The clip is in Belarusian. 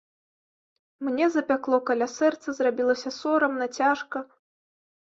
Мне запякло каля сэрца, зрабілася сорамна, цяжка.